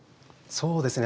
そうですね